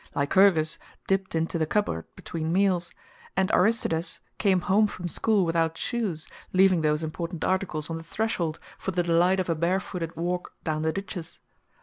Lycurgus dipped into the cupboard "between meals," and Aristides came home from school without shoes, leaving those important articles on the threshold, for the delight of a barefooted walk down the ditches.